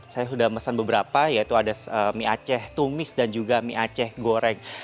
saya sudah mesan beberapa yaitu ada mie aceh tumis dan juga mie aceh goreng